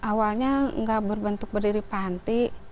awalnya nggak berbentuk berdiri panti